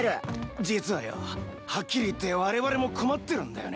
実はよぉはっきり言ってわれわれも困ってるんだよね。